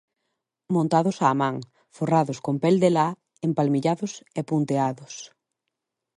Montados á man, forrados con pel de la, empalmillados e punteados.